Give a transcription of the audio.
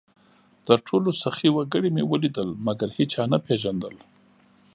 تر ټولو سخي وګړي مې ولیدل؛ مګر هېچا نه پېژندل،